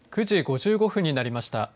９時５５分になりました。